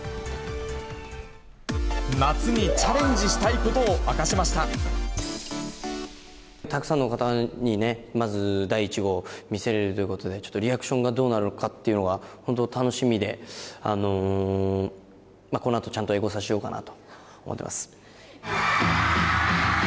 夏にチャレンジしたいことをたくさんの方にね、まず第１号を見せれるということで、ちょっとリアクションがどうなのかっていうのが、本当楽しみで、このあとちゃんとエゴサしようかなと思ってます。